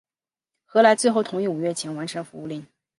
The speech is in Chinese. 何来最后同意五月前完成服务令。